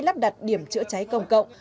lắp đặt điểm chữa cháy công cộng